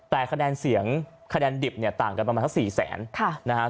แต่คะแนนเสียงคะแนนดิบเนี่ยต่างกันประมาณสัก๔แสนนะฮะ